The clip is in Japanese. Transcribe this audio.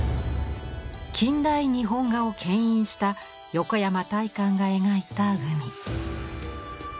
近代日本画をけん引した横山大観が描いた海。